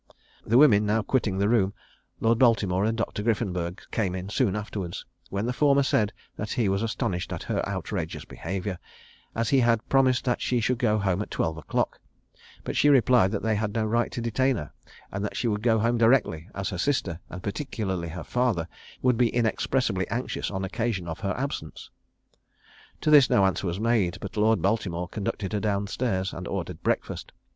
The women now quitting the room, Lord Baltimore and Dr. Griffenburg came in soon afterwards; when the former said that he was astonished at her outrageous behaviour, as he had promised that she should go home at twelve o'clock: but she replied that they had no right to detain her, and that she would go home directly, as her sister, and particularly her father, would be inexpressibly anxious on occasion of her absence. To this no answer was made; but Lord Baltimore conducted her down stairs, and ordered breakfast.